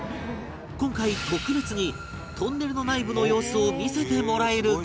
今回特別にトンネルの内部の様子を見せてもらえる事に